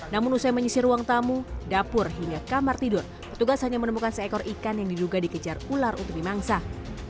namun usai menyisir ruang tamu dapur hingga kamar tidur petugas hanya menemukan seekor ikan yang diduga dikejar ular untuk dimangsah